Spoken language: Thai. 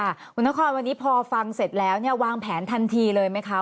คุณนครวันนี้พอฟังเสร็จแล้วเนี่ยวางแผนทันทีเลยไหมคะ